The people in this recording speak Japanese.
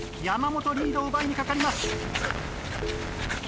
山本リードを奪いにかかります。